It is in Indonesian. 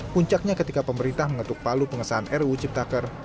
puncaknya ketika pemerintah mengetuk palu pengesahan ruu cipta kerja